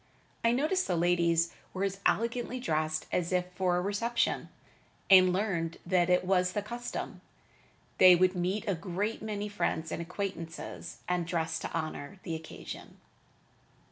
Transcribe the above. I noticed the ladies were as elegantly dressed as if for a reception, and learned that it was the custom. They would meet a great many friends and acquaintances, and dressed to honor the occasion.